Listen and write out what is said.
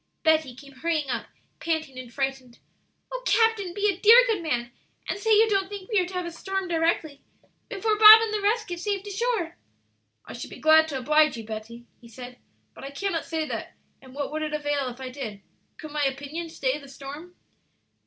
Betty came hurrying up, panting and frightened. "O captain, be a dear, good man, and say you don't think we are to have a storm directly before Bob and the rest get safe to shore!" "I should be glad to oblige you, Betty," he said, "but I cannot say that; and what would it avail if I did? Could my opinion stay the storm?"